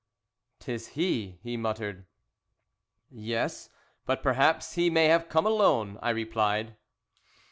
"'Tis he," he muttered. "Yes, but perhaps he may have come alone," I replied.